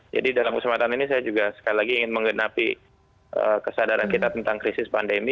jadi dalam kesempatan ini saya juga sekali lagi ingin mengenapi kesadaran kita tentang krisis pandemi